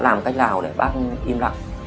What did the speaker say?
làm cách nào để bác im lặng